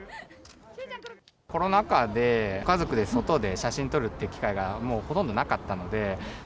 コロナ禍で、家族で外で写真撮るって機会がもう、ほとんどなかったので。